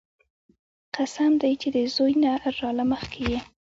قسم دې چې د زوى نه راله مخكې يې.